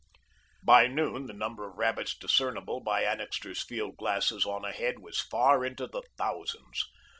By noon the number of rabbits discernible by Annixter's field glasses on ahead was far into the thousands.